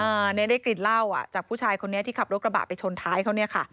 อันนี้ได้กลิ่นเหล้าอ่ะจากผู้ชายคนนี้ที่ขับรถกระบะไปชนท้ายเขาเนี่ยค่ะ